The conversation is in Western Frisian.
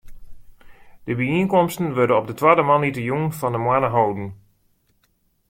De byienkomsten wurde op de twadde moandeitejûn fan de moanne holden.